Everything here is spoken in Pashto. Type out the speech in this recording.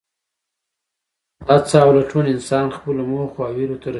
هڅه او لټون انسان خپلو موخو او هیلو ته رسوي.